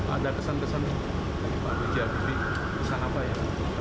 ada kesan kesan dari bapak b j habibie